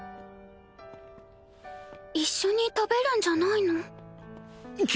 一緒に食べるんじゃないの？